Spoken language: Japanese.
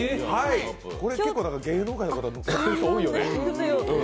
これ芸能界の方、持っている人、多いよね。